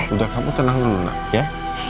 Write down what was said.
udah kamu tenang dulu nak ya